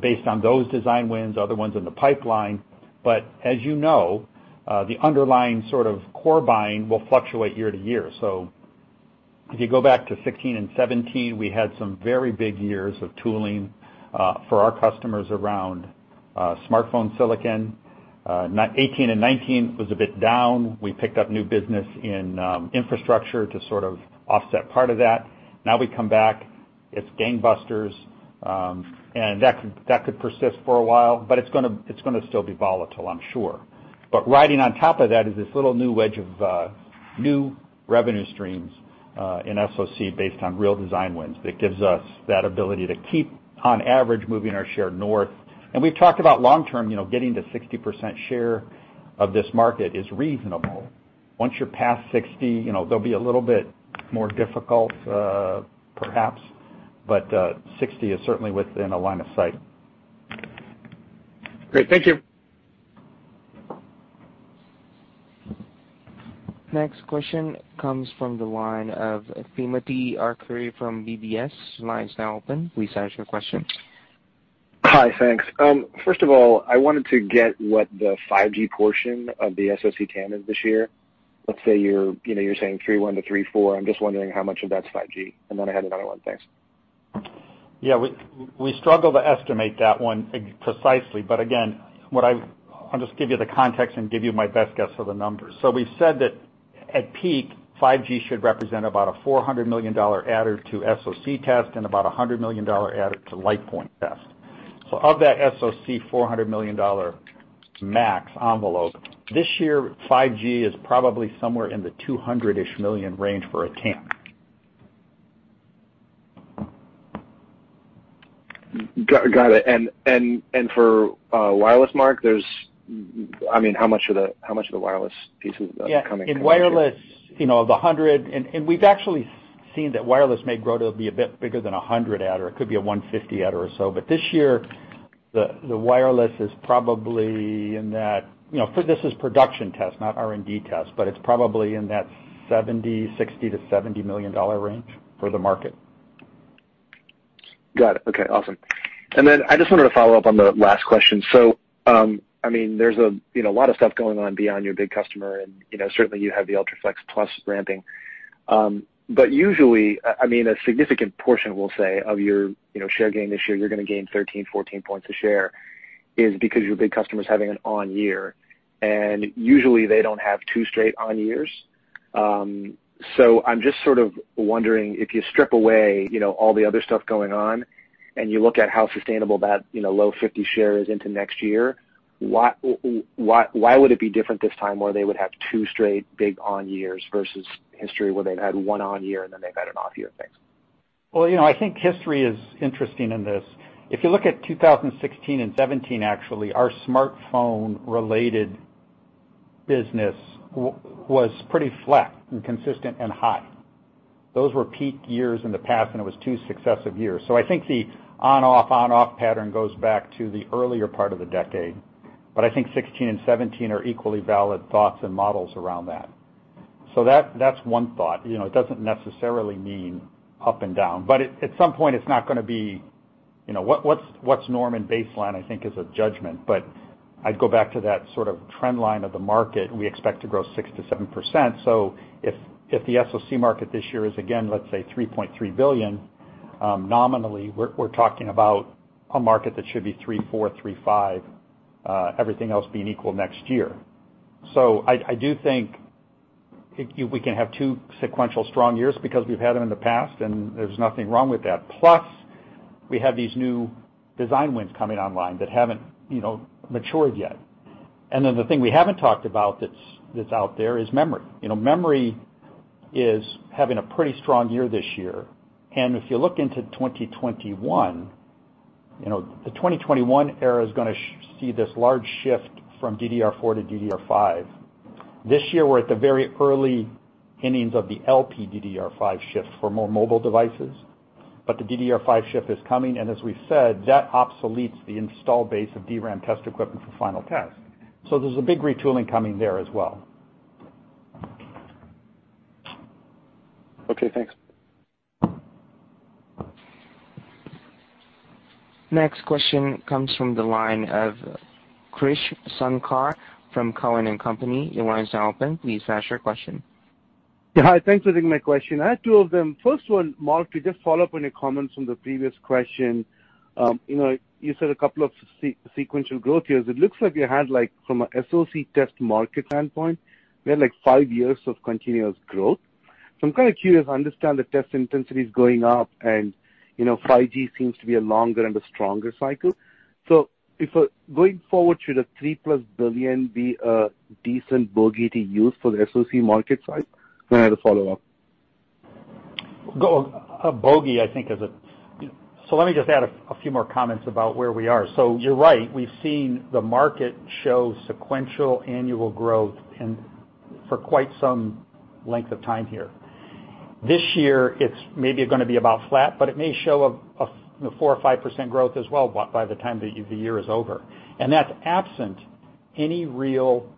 based on those design wins, other ones in the pipeline. As you know, the underlying sort of core buying will fluctuate year to year. If you go back to 2016 and 2017, we had some very big years of tooling for our customers around smartphone silicon. 2018 and 2019 was a bit down. We picked up new business in infrastructure to sort of offset part of that. Now we come back, it's gangbusters. That could persist for a while, but it's going to still be volatile, I'm sure. Riding on top of that is this little new wedge of new revenue streams in SOC based on real design wins, that gives us that ability to keep, on average, moving our share north. We've talked about long-term, getting to 60% share of this market is reasonable. Once you're past 60, they'll be a little bit more difficult, perhaps. 60 is certainly within a line of sight. Great. Thank you. Next question comes from the line of Timothy Arcuri from UBS. Line is now open. Please ask your question. Hi, thanks. First of all, I wanted to get what the 5G portion of the SOC TAM is this year. Let's say you're saying three-one to three-four. I'm just wondering how much of that's 5G. I had another one. Thanks. Yeah. We struggle to estimate that one precisely, but again, I'll just give you the context and give you my best guess for the numbers. We've said that at peak, 5G should represent about a $400 million adder to SOC test and about $100 million adder to LitePoint test. Of that SOC $400 million max envelope, this year, 5G is probably somewhere in the $200-ish million range for a TAM. Got it. For wireless, Mark, how much of the wireless piece is coming? Yeah. In wireless, of $100. We've actually seen that wireless may grow to be a bit bigger than 100 adder. It could be a 150 adder or so. This year, the wireless is probably in that, this is production test, not R&D test, but it's probably in that $60 million-$70 million range for the market. Got it. Okay, awesome. I just wanted to follow up on the last question. There's a lot of stuff going on beyond your big customer and, certainly you have the UltraFLEXplus ramping. Usually, a significant portion, we'll say, of your share gain this year, you're going to gain 13, 14 points of share is because your big customer's having an on year. Usually, they don't have two straight on years. I'm just sort of wondering, if you strip away all the other stuff going on and you look at how sustainable that low 50 share is into next year, why would it be different this time where they would have two straight big on years versus history where they've had one on year and then they've had an off year? Thanks. I think history is interesting in this. You look at 2016 and 2017, actually, our smartphone-related business was pretty flat and consistent and high. Those were peak years in the past, and it was two successive years. I think the on-off, on-off pattern goes back to the earlier part of the decade. I think 2016 and 2017 are equally valid thoughts and models around that. That's one thought. It doesn't necessarily mean up and down. At some point, it's not going to be what's norm and baseline, I think, is a judgment. I'd go back to that sort of trend line of the market. We expect to grow 6%-7%. If the SOC market this year is again, let's say $3.3 billion, nominally, we're talking about a market that should be $3.4 billion-$3.5 billion, everything else being equal next year. I do think we can have two sequential strong years because we've had them in the past, and there's nothing wrong with that. We have these new design wins coming online that haven't matured yet. The thing we haven't talked about that's out there is memory. Memory is having a pretty strong year this year. If you look into 2021, the 2021 era is going to see this large shift from DDR4 to DDR5. This year, we're at the very early innings of the LPDDR5 shift for more mobile devices. The DDR5 shift is coming, and as we've said, that obsoletes the install base of DRAM test equipment for final test. There's a big retooling coming there as well. Okay, thanks. Next question comes from the line of Krish Sankar from Cowen and Company. Your line is now open. Please ask your question. Yeah. Hi, thanks for taking my question. I had two of them. First one, Mark, to just follow up on your comments from the previous question. You said a couple of sequential growth years. It looks like you had, from a SOC Test market standpoint, you had five years of continuous growth. I'm kind of curious to understand the test intensity is going up and 5G seems to be a longer and a stronger cycle. Going forward, should a $3+ billion be a decent bogey to use for the SOC market side? I have a follow-up. Let me just add a few more comments about where we are. You're right, we've seen the market show sequential annual growth and for quite some length of time here. This year, it's maybe going to be about flat, but it may show a 4% or 5% growth as well by the time the year is over. That's absent any real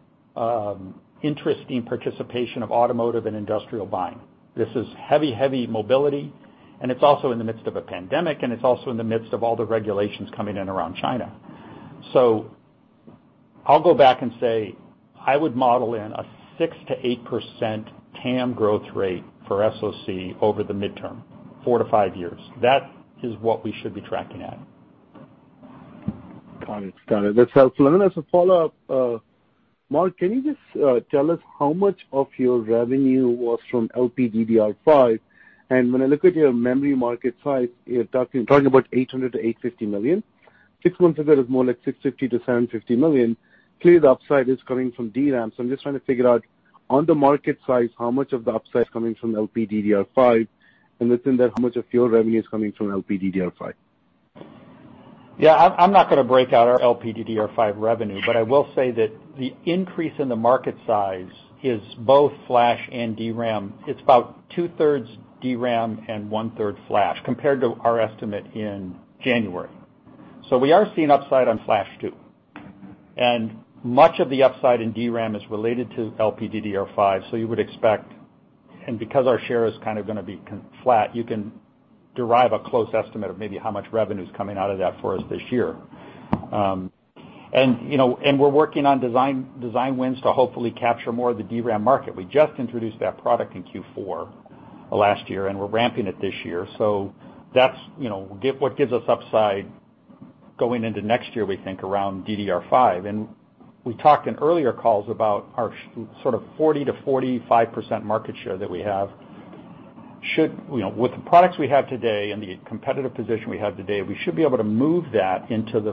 interesting participation of automotive and industrial buying. This is heavy mobility, and it's also in the midst of a pandemic, and it's also in the midst of all the regulations coming in around China. I'll go back and say, I would model in a 6%-8% TAM growth rate for SOC over the midterm, 4 to 5 years. That is what we should be tracking at. Got it. That's helpful. Then as a follow-up, Mark, can you just tell us how much of your revenue was from LPDDR5? When I look at your memory market size, you're talking about $800 million-$850 million. Six months ago, it was more like $650 million-$750 million. Clearly, the upside is coming from DRAM. I'm just trying to figure out on the market size, how much of the upside is coming from LPDDR5, and within that, how much of your revenue is coming from LPDDR5? Yeah, I'm not going to break out our LPDDR5 revenue, but I will say that the increase in the market size is both flash and DRAM. It's about 2/3 DRAM and 1/3 flash compared to our estimate in January. We are seeing upside on flash too. Much of the upside in DRAM is related to LPDDR5, so you would expect, and because our share is going to be flat, you can derive a close estimate of maybe how much revenue is coming out of that for us this year. We're working on design wins to hopefully capture more of the DRAM market. We just introduced that product in Q4 last year, and we're ramping it this year. That's what gives us upside going into next year, we think, around DDR5. We talked in earlier calls about our sort of 40%-45% market share that we have. With the products we have today and the competitive position we have today, we should be able to move that into the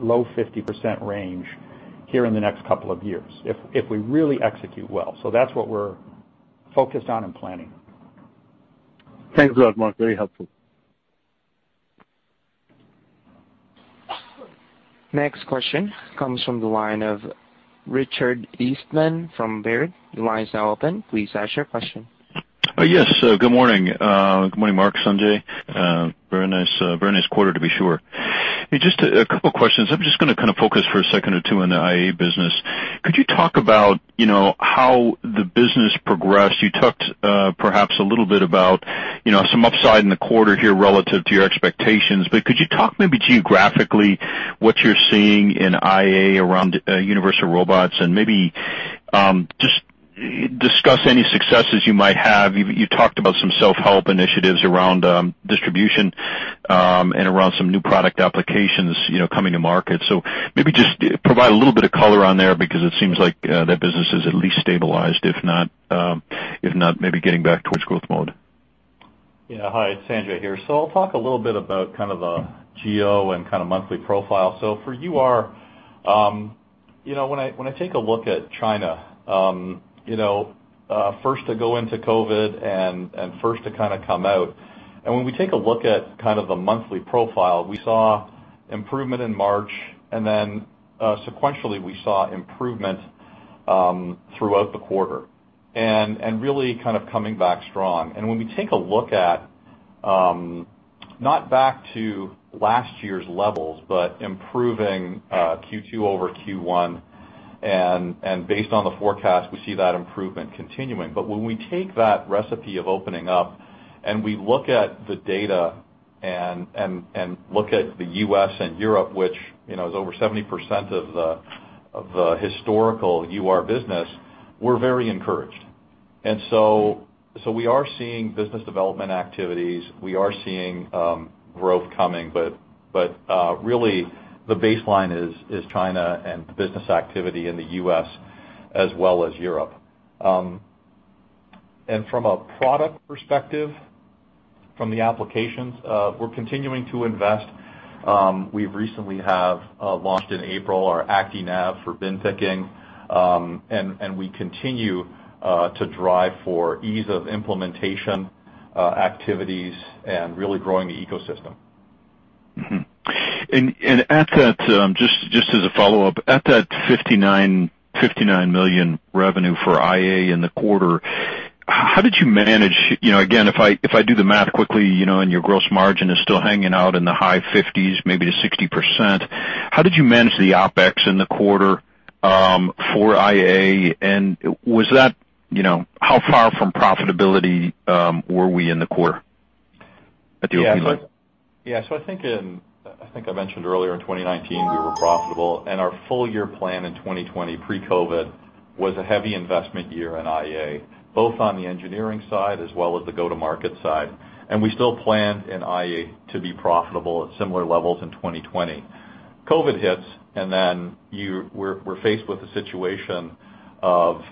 low 50% range here in the next couple of years, if we really execute well. That's what we're focused on and planning. Thanks a lot, Mark. Very helpful. Next question comes from the line of Richard Eastman from Baird. Your line is now open. Please ask your question. Yes. Good morning. Good morning, Mark, Sanjay. Very nice quarter to be sure. Just a couple of questions. I'm just going to focus for a second or two on the IA business. Could you talk about how the business progressed? You talked perhaps a little bit about some upside in the quarter here relative to your expectations, but could you talk maybe geographically what you're seeing in IA around Universal Robots and maybe just discuss any successes you might have? You talked about some self-help initiatives around distribution and around some new product applications coming to market. Maybe just provide a little bit of color on there because it seems like that business is at least stabilized, if not maybe getting back towards growth mode. Yeah. Hi, it's Sanjay here. I'll talk a little bit about kind of the geo and kind of monthly profile. For UR, when I take a look at China, first to go into COVID and first to kind of come out, when we take a look at kind of the monthly profile, we saw improvement in March, then sequentially, we saw improvement throughout the quarter, really kind of coming back strong. When we take a look at, not back to last year's levels, but improving Q2 over Q1, based on the forecast, we see that improvement continuing. When we take that recipe of opening up and we look at the data and look at the U.S. and Europe, which is over 70% of the historical UR business, we're very encouraged. We are seeing business development activities. We are seeing growth coming, really the baseline is China and business activity in the U.S. as well as Europe. From a product perspective, from the applications, we're continuing to invest. We recently have launched in April our ActiNav for bin picking, and we continue to drive for ease of implementation activities and really growing the ecosystem. Just as a follow-up, at that $59 million revenue for IA in the quarter, how did you manage, again, if I do the math quickly, and your gross margin is still hanging out in the high 50s, maybe to 60%, how did you manage the OpEx in the quarter for IA, and how far from profitability were we in the quarter at the operating level? I think I mentioned earlier in 2019, we were profitable, and our full-year plan in 2020 pre-COVID was a heavy investment year in IA, both on the engineering side as well as the go-to-market side. We still planned in IA to be profitable at similar levels in 2020. COVID hits. We're faced with a situation of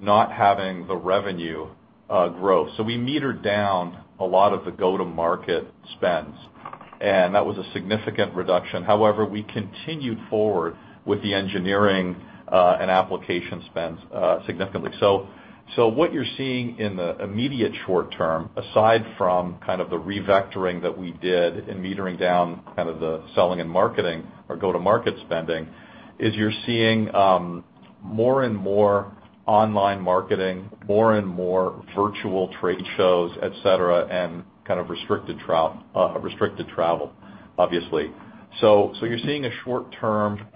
not having the revenue growth. We metered down a lot of the go-to-market spends, and that was a significant reduction. However, we continued forward with the engineering and application spends significantly. What you're seeing in the immediate short term, aside from kind of the revectoring that we did in metering down kind of the selling and marketing or go-to-market spending, is you're seeing more and more online marketing, more and more virtual trade shows, et cetera, and kind of restricted travel, obviously. You're seeing a short-term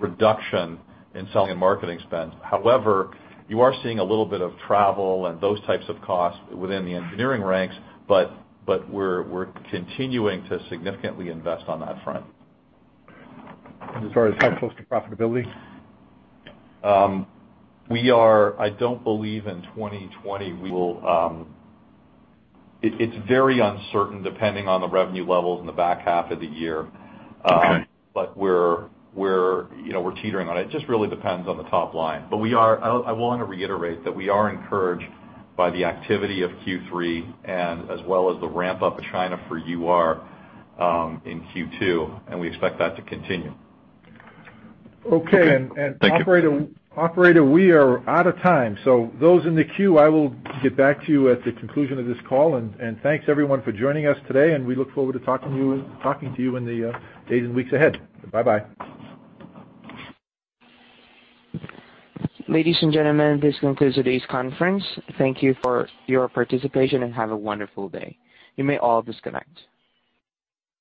reduction in selling and marketing spend. However, you are seeing a little bit of travel and those types of costs within the engineering ranks, but we're continuing to significantly invest on that front. As far as how close to profitability? I don't believe in 2020 we will. It's very uncertain depending on the revenue levels in the back half of the year. Okay. We're teetering on it. It just really depends on the top line. I want to reiterate that we are encouraged by the activity of Q3 and as well as the ramp-up of China for UR in Q2, and we expect that to continue. Okay. Thank you. Operator, we are out of time. Those in the queue, I will get back to you at the conclusion of this call. Thanks everyone for joining us today, and we look forward to talking to you in the days and weeks ahead. Bye-bye. Ladies and gentlemen, this concludes today's conference. Thank you for your participation, and have a wonderful day. You may all disconnect.